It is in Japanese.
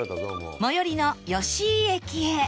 最寄りの吉井駅へ